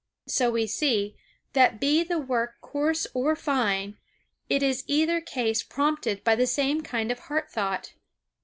So we see, that be the work coarse or fine, it is in either case prompted by the same kind of heart thought.